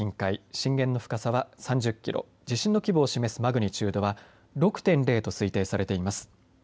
震源の深さは３０キロ地震の規模を示すマグニチュードは６．０と推定されています。